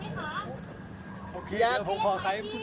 พี่สุนัยคิดถึงลูกไหมครับ